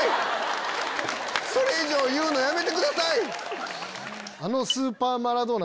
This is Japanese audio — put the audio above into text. それ以上言うのやめてください。